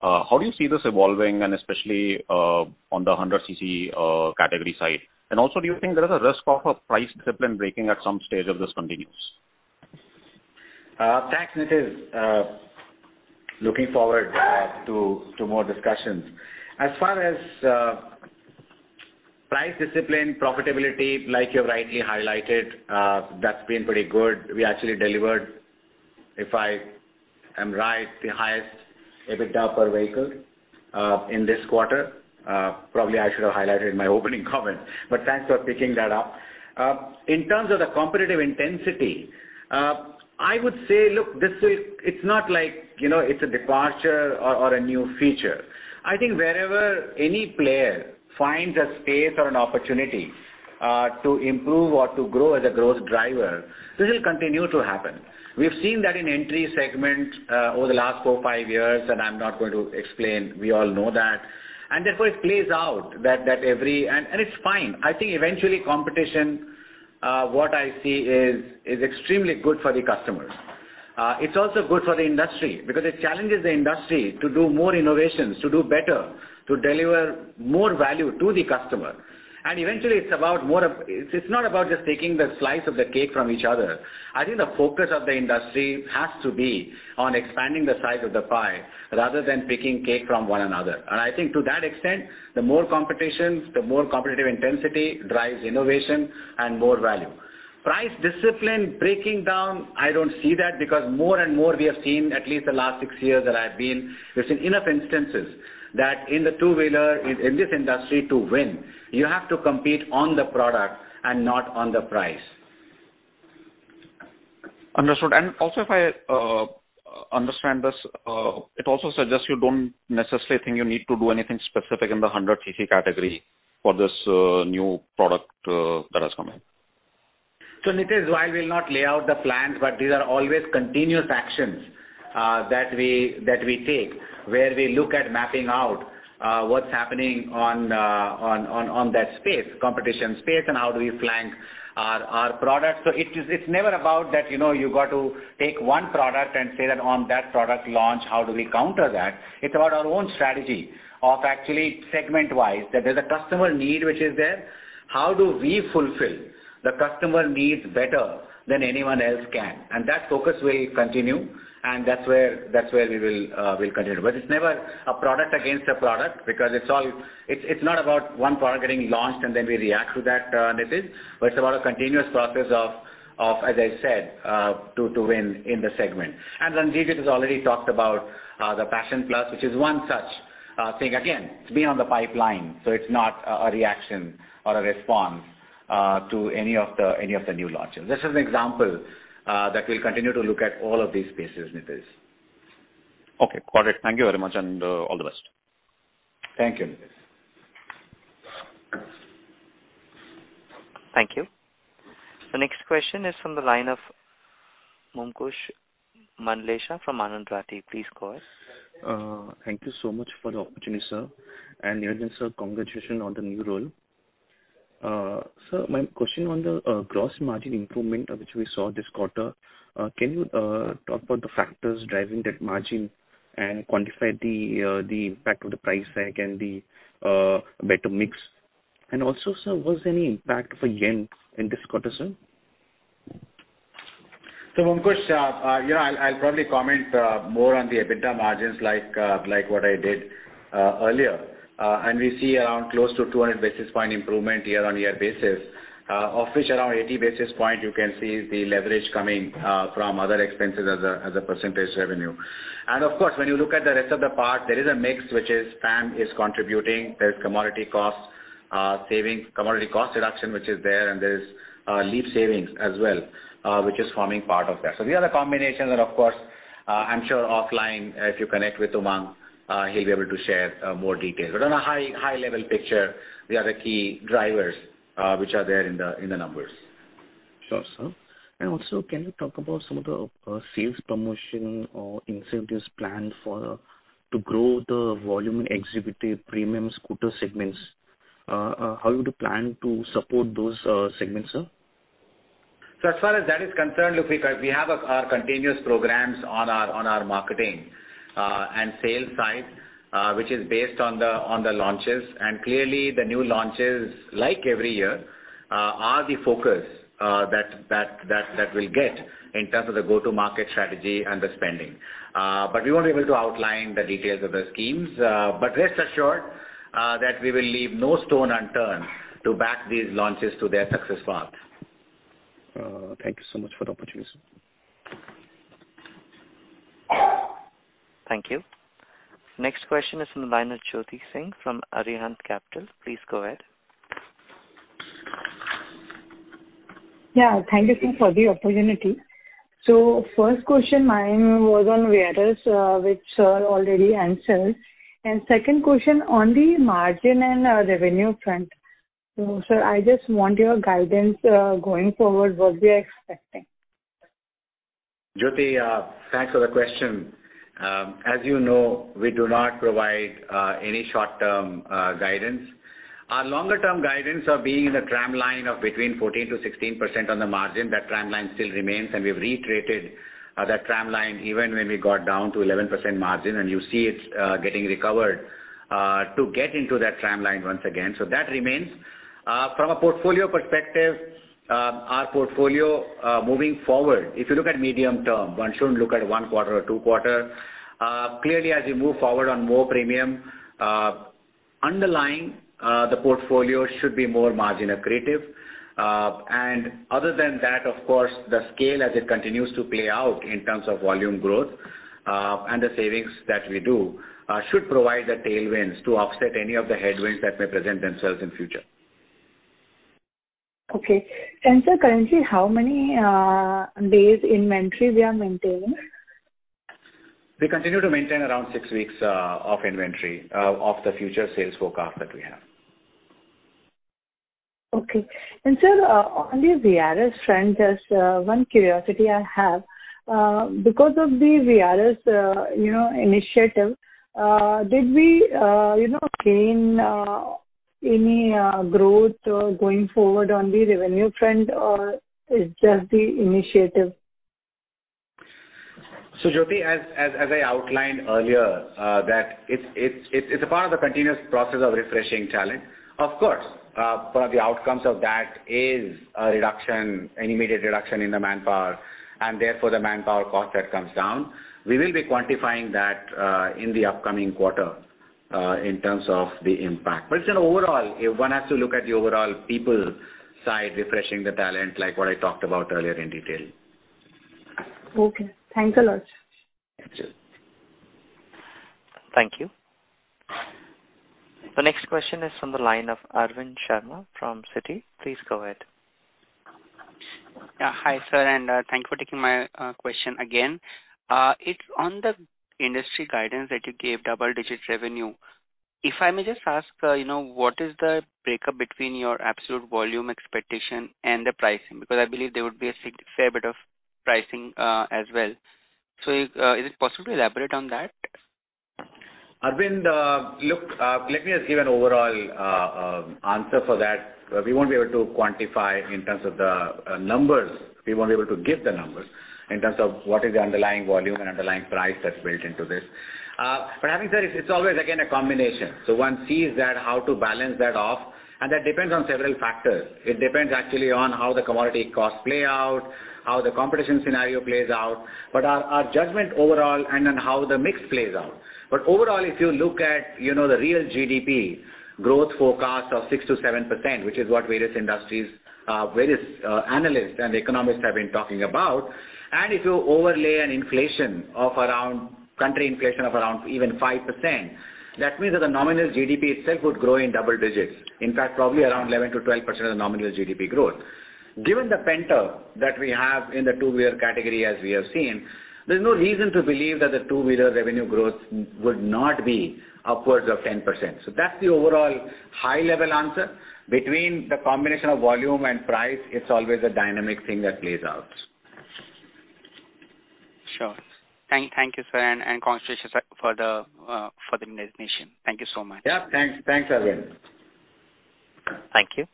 How do you see this evolving, and especially on the 100 cc category side? Do you think there is a risk of a price discipline breaking at some stage if this continues? Thanks, Nitij. Looking forward to more discussions. As far as price discipline, profitability, like you rightly highlighted, that's been pretty good. We actually delivered, if I am right, the highest EBITDA per vehicle in this quarter. Probably I should have highlighted in my opening comment, but thanks for picking that up. In terms of the competitive intensity, I would say, look, this is not like, you know, it's a departure or a new feature. I think wherever any player finds a space or an opportunity to improve or to grow as a growth driver, this will continue to happen. We've seen that in entry segment over the last four or five years, and I'm not going to explain. We all know that. Therefore, it plays out that every it's fine. I think eventually competition, what I see is extremely good for the customers. It's also good for the industry because it challenges the industry to do more innovations, to do better, to deliver more value to the customer. Eventually, it's not about just taking the slice of the cake from each other. I think the focus of the industry has to be on expanding the size of the pie rather than picking cake from one another. I think to that extent, the more competitions, the more competitive intensity drives innovation and more value. Price discipline breaking down, I don't see that because more and more we have seen, at least the last six years that I've been, we've seen enough instances that in the two-wheeler, in this industry to win, you have to compete on the product and not on the price. Understood. Also, if I understand this, it also suggests you don't necessarily think you need to do anything specific in the 100 cc category for this new product that has come in. Nitij, while we'll not lay out the plans, but these are always continuous actions that we take, where we look at mapping out what's happening on that space, competition space, and how do we flank our products. It's never about that, you know, you got to take one product and say that on that product launch, how do we counter that? It's about our own strategy of actually segment-wise, that there's a customer need which is there. How do we fulfill the customer needs better than anyone else can? That focus will continue, and that's where we will continue. It's never a product against a product because it's not about one product getting launched, and then we react to that, Nitij. It's about a continuous process of, as I said, to win in the segment. Ranjivjit has already talked about the Passion Plus, which is one such thing. It's been on the pipeline, so it's not a reaction or a response to any of the new launches. This is an example that we'll continue to look at all of these spaces, Nitij. Okay. Got it. Thank you very much, and, all the best. Thank you, Nitij. Thank you. The next question is from the line of Manish Mandhana from Anand Rathi. Please go ahead. Thank you so much for the opportunity, sir. Niranjan, sir, congratulations on the new role. Sir, my question on the gross margin improvement which we saw this quarter. Can you talk about the factors driving that margin and quantify the impact of the price hike and the better mix? Also, sir, was there any impact of the yen in this quarter, sir? I'll probably comment more on the EBITDA margins like what I did earlier. We see around close to 200 basis point improvement year-on-year basis. Of which around 80 basis point you can see the leverage coming from other expenses as a percentage revenue. And of course, when you look at the rest of the part, there is a mix which is PAM is contributing. There is commodity cost saving, commodity cost reduction, which is there, and there is LEAP savings as well, which is forming part of that. These are the combinations and of course, I'm sure offline, if you connect with Umang, he will be able to share more details. On a high level picture, they are the key drivers, which are there in the numbers. Sure, sir. Can you talk about some of the sales promotion or incentives planned to grow the volume in executive premium scooter segments? How would you plan to support those segments, sir? As far as that is concerned, Lufeek, we have our continuous programs on our marketing and sales side, which is based on the launches. Clearly, the new launches, like every year, are the focus that we'll get in terms of the go-to-market strategy and the spending. We won't be able to outline the details of the schemes. Rest assured, that we will leave no stone unturned to back these launches to their success path. Thank you so much for the opportunity, sir. Thank you. Next question is from Jyoti Singh from Arihant Capital. Please go ahead. Yeah, thank you, sir, for the opportunity. first question, mine was on VRS, which sir already answered. second question on the margin and, revenue front. sir, I just want your guidance, going forward, what we are expecting. Jyoti, thanks for the question. As you know, we do not provide any short-term guidance. Our longer-term guidance of being in the tramline of between 14%-16% on the margin, that tramline still remains, and we've reiterated that tramline even when we got down to 11% margin, and you see it getting recovered to get into that tramline once again. That remains. From a portfolio perspective, our portfolio moving forward, if you look at medium term, one shouldn't look at 1 quarter or two quarters. Clearly, as we move forward on more premium underlying, the portfolio should be more margin accretive. Other than that, of course, the scale as it continues to play out in terms of volume growth, and the savings that we do, should provide the tailwinds to offset any of the headwinds that may present themselves in future. Okay. Sir, currently, how many days inventory we are maintaining? We continue to maintain around six weeks of inventory of the future sales forecast that we have. Okay. Sir, on the VRS front, there's one curiosity I have. Because of the VRS, you know, initiative, did we, you know, gain any growth going forward on the revenue front, or it's just the initiative? Jyoti, as I outlined earlier, that it's a part of the continuous process of refreshing talent. Of course, one of the outcomes of that is a reduction, an immediate reduction in the manpower, and therefore the manpower cost that comes down. We will be quantifying that in the upcoming quarter, in terms of the impact. It's an overall, if one has to look at the overall people side, refreshing the talent, like what I talked about earlier in detail. Okay. Thanks a lot. Thank you. Thank you. The next question is from the line of Arvind Sharma from Citi. Please go ahead. Yeah. Hi, sir, thank you for taking my question again. It's on the industry guidance that you gave double-digit revenue. If I may just ask, you know, what is the breakup between your absolute volume expectation and the pricing? Because I believe there would be a fair bit of pricing as well. Is it possible to elaborate on that? Arvind, look, let me just give an overall answer for that. We won't be able to quantify in terms of the numbers. We won't be able to give the numbers in terms of what is the underlying volume and underlying price that's built into this. Having said, it's always, again, a combination. One sees that how to balance that off, and that depends on several factors. It depends actually on how the commodity costs play out, how the competition scenario plays out, but our judgment overall and on how the mix plays out. Overall, if you look at, you know, the real GDP growth forecast of 6%-7%, which is what various industries, various analysts and economists have been talking about. If you overlay an inflation of around, country inflation of around even 5%, that means that the nominal GDP itself would grow in double digits. In fact, probably around 11%-12% of the nominal GDP growth. Given the pent-up that we have in the two-wheeler category as we have seen, there's no reason to believe that the two-wheeler revenue growth would not be upwards of 10%. That's the overall high-level answer. Between the combination of volume and price, it's always a dynamic thing that plays out. Sure. Thank you, sir, and congratulations for the designation. Thank you so much. Yeah. Thanks. Thanks, Arvind. Thank you.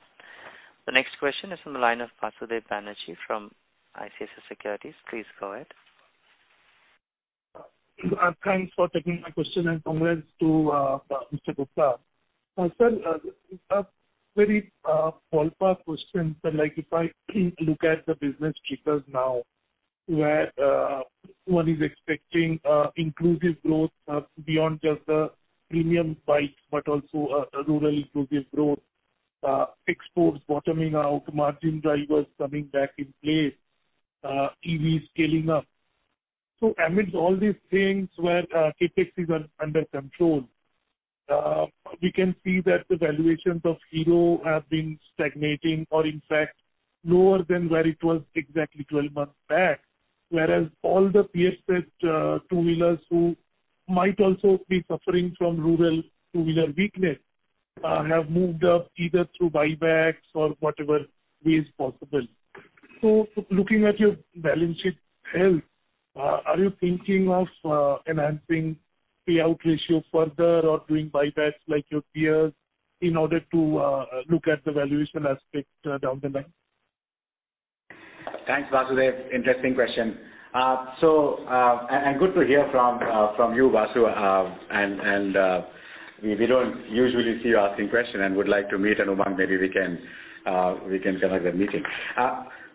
The next question is from the line of Basudeb Banerjee from ICICI Securities. Please go ahead. Thanks for taking my question and congrats to Mr. Gupta. Sir, a very follow-up question, sir. Like, if I look at the business keepers now, where one is expecting inclusive growth beyond just the premium bikes, but also rural inclusive growth. Exports bottoming out, margin drivers coming back in place, EVs scaling up. Amidst all these things where CapEx is under control, we can see that the valuations of Hero have been stagnating or in fact lower than where it was exactly 12 months back. Whereas all the PS-based two-wheelers who might also be suffering from rural two-wheeler weakness have moved up either through buybacks or whatever way is possible. Looking at your balance sheet health, are you thinking of enhancing payout ratio further or doing buybacks like your peers in order to look at the valuation aspect down the line? Thanks, Basudeb. Interesting question. And good to hear from you, Vasu. We don't usually see you asking question and would like to meet and maybe we can connect a meeting.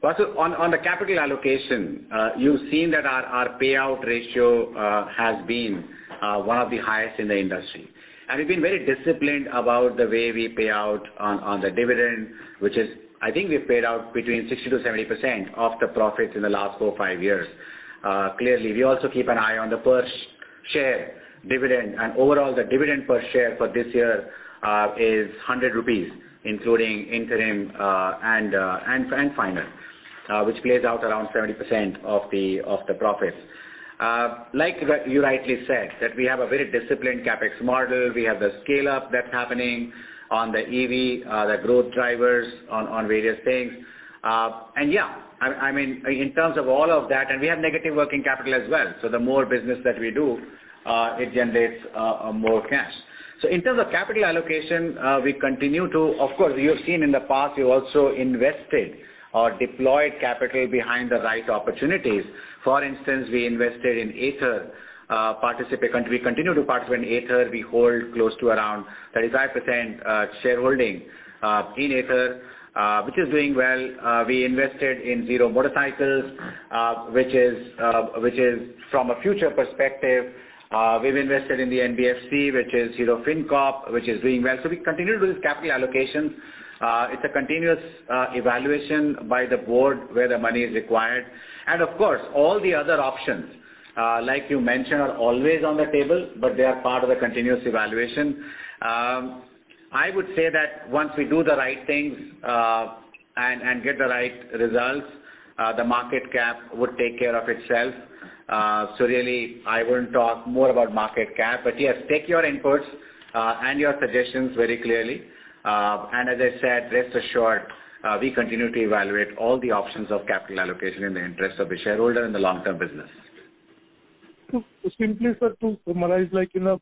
Vasu, on the capital allocation, you've seen that our payout ratio has been one of the highest in the industry. We've been very disciplined about the way we pay out on the dividend. I think we've paid out between 60%-70% of the profits in the last four or five years. Clearly, we also keep an eye on the per share dividend. Overall, the dividend per share for this year is 100 rupees, including interim and final, which pays out around 70% of the profits. Like you rightly said, that we have a very disciplined CapEx model. We have the scale-up that's happening on the EV, the growth drivers on various things. Yeah, I mean, in terms of all of that, and we have negative working capital as well, so the more business that we do, it generates more cash. In terms of capital allocation, of course, you've seen in the past, we've also invested or deployed capital behind the right opportunities. For instance, we invested in Ather. We continue to partner in Ather. We hold close to around 35% shareholding in Ather, which is doing well. We invested in Zero Motorcycles, which is from a future perspective, we've invested in the NBFC, which is, you know, Hero FinCorp, which is doing well. We continue to do these capital allocations. It's a continuous evaluation by the board where the money is required. Of course, all the other options, like you mentioned, are always on the table, but they are part of the continuous evaluation. I would say that once we do the right things, and get the right results, the market cap would take care of itself. Really I wouldn't talk more about market cap, but yes, take your inputs and your suggestions very clearly. As I said, rest assured, we continue to evaluate all the options of capital allocation in the interest of the shareholder in the long-term business. Simply, sir, to summarize, like in a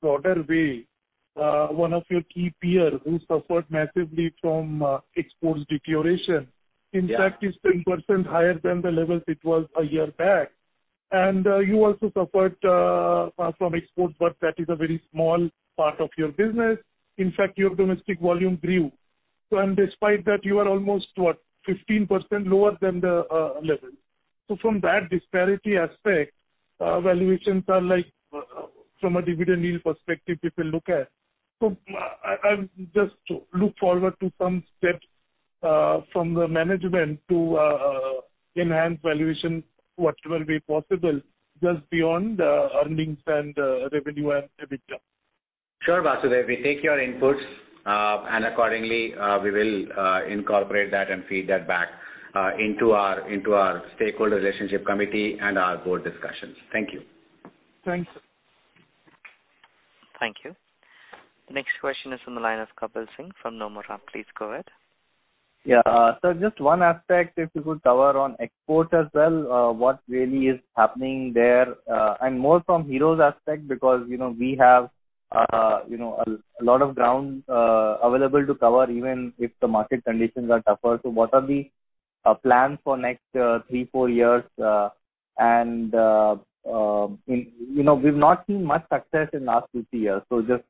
broader way, one of your key peers who suffered massively from, exports deterioration... Yeah. in fact, is 10% higher than the levels it was a year back. You also suffered from exports, but that is a very small part of your business. In fact, your domestic volume grew. Despite that, you are almost 15% lower than the level. From that disparity aspect, valuations are like from a dividend yield perspective, if you look at. I just look forward to some steps from the management to enhance valuation, whatever be possible, just beyond the earnings and revenue and EBITDA. Sure, Basudeb. We take your inputs, and accordingly, we will incorporate that and feed that back, into our stakeholder relationship committee and our board discussions. Thank you. Thanks. Thank you. Next question is from the line of Kapil Singh from Nomura. Please go ahead. Yeah. Just one aspect, if you could cover on export as well, what really is happening there? More from Hero's aspect because, you know, we have, you know, a lot of ground available to cover even if the market conditions are tougher. What are the plans for next three to four years? You know, we've not seen much success in last three to four years. Just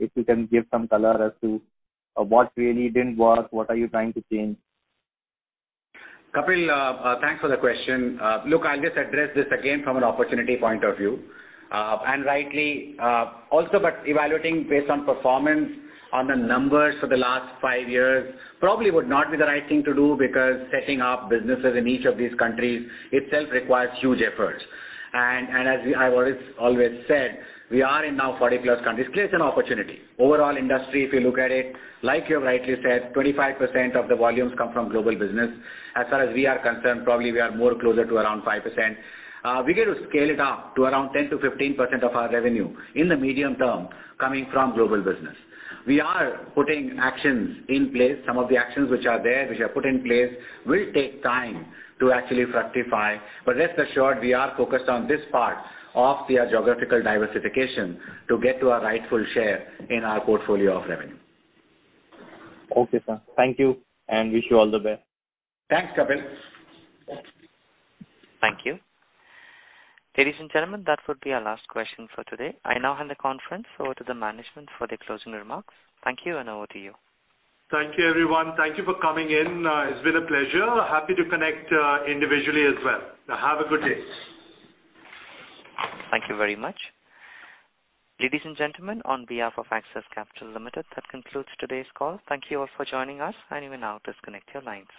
if you can give some color as to what really didn't work, what are you trying to change? Kapil, thanks for the question. Look, I'll just address this again from an opportunity point of view. Rightly, also, but evaluating based on performance on the numbers for the last five years probably would not be the right thing to do because setting up businesses in each of these countries itself requires huge efforts. As I've always said, we are in now 40+ countries. Clearly it's an opportunity. Overall industry, if you look at it, like you have rightly said, 25% of the volumes come from global business. As far as we are concerned, probably we are more closer to around 5%. We got to scale it up to around 10%-15% of our revenue in the medium term coming from global business. We are putting actions in place. Some of the actions which are there, which are put in place, will take time to actually fructify. Rest assured, we are focused on this part of their geographical diversification to get to our rightful share in our portfolio of revenue. Okay, sir. Thank you and wish you all the best. Thanks, Kapil. Thank you. Ladies and gentlemen, that would be our last question for today. I now hand the conference over to the management for their closing remarks. Thank you. Over to you. Thank you, everyone. Thank you for coming in. It's been a pleasure. Happy to connect, individually as well. Have a good day. Thank you very much. Ladies and gentlemen, on behalf of Axis Capital Limited, that concludes today's call. Thank you all for joining us, and you may now disconnect your lines.